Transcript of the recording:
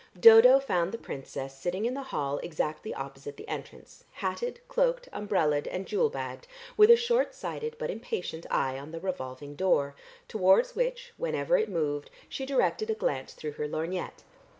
Dodo found the Princess sitting in the hall exactly opposite the entrance, hatted, cloaked, umbrellaed and jewel bagged, with a short sighted but impatient eye on the revolving door, towards which, whenever it moved, she directed a glance through her lorgnette.